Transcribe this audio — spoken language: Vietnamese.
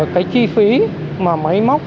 cái chi phí mà máy móc